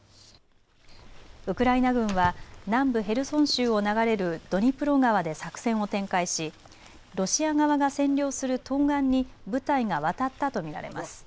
ウクライナ軍は南部ヘルソン州を流れるドニプロ川で作戦を展開しロシア側が占領する東岸に部隊が渡ったと見られます。